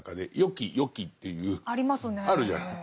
あるじゃない。